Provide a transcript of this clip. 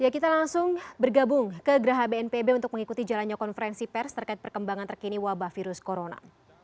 kita langsung bergabung ke geraha bnpb untuk mengikuti jalannya konferensi pers terkait perkembangan terkini wabah virus corona